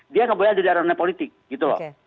dia kemudian ada di arah arah politik gitu loh